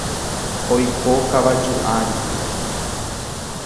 Oiko kavaju ári.